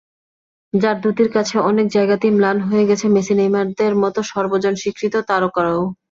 যাঁর দ্যুতির কাছে অনেক জায়গাতেই ম্লান হয়ে গেছেন মেসি-নেইমারদের মতো সর্বজনস্বীকৃত তারকারাও।